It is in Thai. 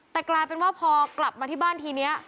แต่กลายเป็นว่าพอกลับมาที่บ้านทีนี้